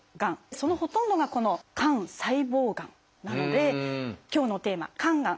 そのほとんどがこの「肝細胞がん」なので今日のテーマ「肝がん」